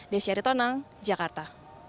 desyari tonang jakarta